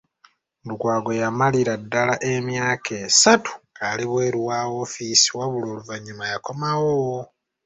Lukwago yamalira ddala emyaka esatu ng’ali bweru wa woofiisi wabula oluvannyuma yakomawo.